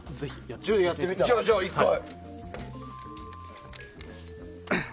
じゃあ、１回。